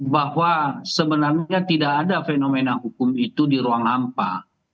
bahwa sebenarnya tidak ada fenomena hukum itu di ruang hampa